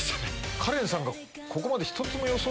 カレンさんがここまで。